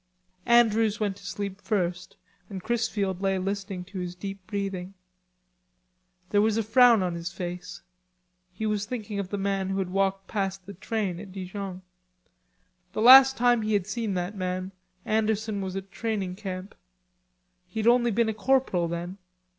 Andrews went to sleep first and Chrisfield lay listening to his deep breathing. There was a frown on his face. He was thinking of the man who had walked past the train at Dijon. The last time he had seen that man Anderson was at training camp. He had only been a corporal then.